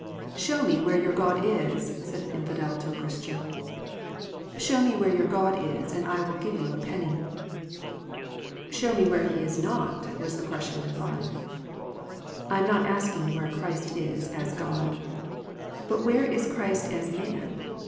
" Show me where your God is," said an infidel to a Christian. " Show me where your God is, and I will give you a penny." "Show me where He is not," was the crushing reply. I am not asking where Christ is as God. But where is Christ, as Man